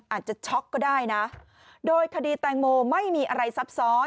ช็อกก็ได้นะโดยคดีแตงโมไม่มีอะไรซับซ้อน